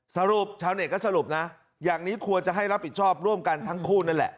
ชาวเน็ตก็สรุปนะอย่างนี้ควรจะให้รับผิดชอบร่วมกันทั้งคู่นั่นแหละ